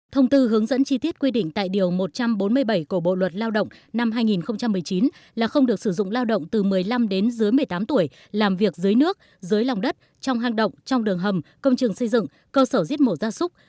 thông tư hướng dẫn chi tiết quy định tại điều một trăm bốn mươi bảy của bộ luật lao động năm hai nghìn một mươi chín là không được sử dụng lao động từ một mươi năm đến dưới một mươi tám tuổi làm việc dưới nước dưới lòng đất trong hang động trong đường hầm công trường xây dựng cơ sở giết mổ ra súc